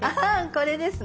これですね。